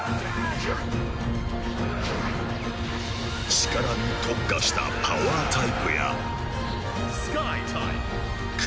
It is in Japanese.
力に特化したパワータイプやスカイタイプ！